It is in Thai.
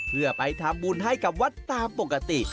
เพื่อไปทำบุญให้กับวัดตามปกติ